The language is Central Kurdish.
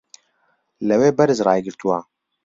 لەوێ بەرز ڕایگرتوون